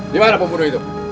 dimana pembunuh itu